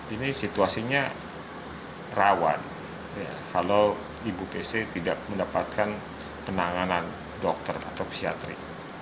ini situasinya rawan kalau ibu pc tidak mendapatkan penanganan dokter atau psiatri